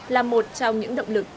là một trong những động lực